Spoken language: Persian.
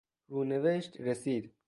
رونوشت رسید